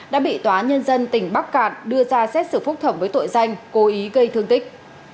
đã bị tòa nhân dân tỉnh bắc cạn đưa ra xét xử phúc thẩm với tội danh cố ý gây thương tích